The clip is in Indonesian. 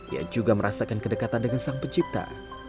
ia juga merasakan kedekatan dengan sang pencipta